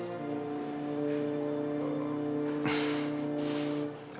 tapi mau sampai kapan kayak gini terus pak